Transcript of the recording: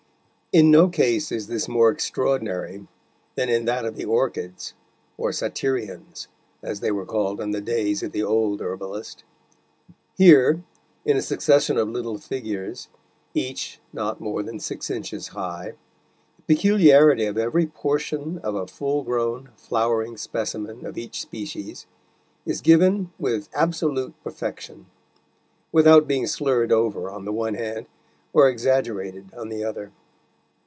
In no case is this more extraordinary than in that of the orchids, or "satyrions," as they were called in the days of the old herbalist. Here, in a succession of little figures, each not more than six inches high, the peculiarity of every portion of a full grown flowering specimen of each species is given with absolute perfection, without being slurred over on the one hand, or exaggerated on the other.